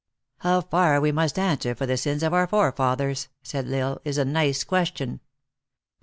" How far we must answer for the sins of our fore fathers," said L Isle, "is a nice question.